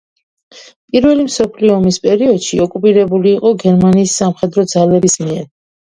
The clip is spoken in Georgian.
პირველი მსოფლიო ომის პერიოდში ოკუპირებული იყო გერმანიის სამხედრო ძალების მიერ.